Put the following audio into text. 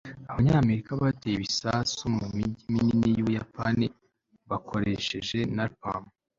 abanyamerika bateye ibisasu mu mijyi minini y'ubuyapani bakoresheje napalm